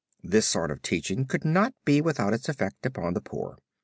This sort of teaching could not be without its effect upon the poor.